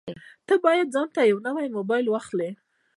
ته باید ځانته نوی مبایل واخلې